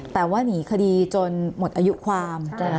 แต่ว่าหนีคดีจนหมดอายุความ